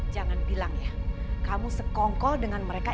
jangan bilang ya kamu sekongkol dengan mereka